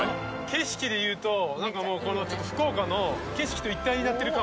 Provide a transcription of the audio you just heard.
景色で言うとなんかもうこの福岡の景色と一体になってる感はありますね。